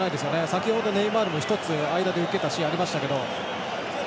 先ほど、ネイマールが間で受けたシーンありましたけど。